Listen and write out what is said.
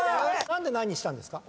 何で「な」にしたんですか？